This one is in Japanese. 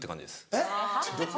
えっ？